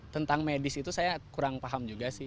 tentang medis itu saya kurang paham juga sih